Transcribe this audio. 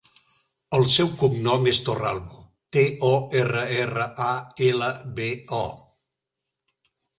El seu cognom és Torralbo: te, o, erra, erra, a, ela, be, o.